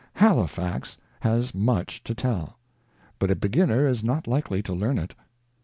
Halifax has much to tell, but a beginner is not likely to learn it.